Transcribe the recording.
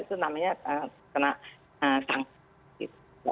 itu namanya kena sanksi